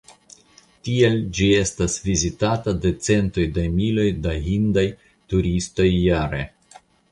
Tial ĝi estas vizitata de centoj da miloj da hindaj turistoj jare.